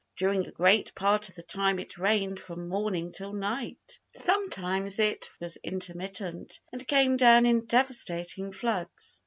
During a great part of the time it rained from morning till night. Sometimes it was intermittent, and came down in devastating floods.